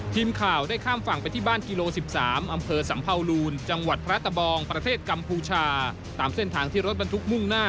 ทีมข่าวได้ข้ามฝั่งไปที่บ้านกิโล๑๓อำเภอสัมภาวลูนจังหวัดพระตะบองประเทศกัมพูชาตามเส้นทางที่รถบรรทุกมุ่งหน้า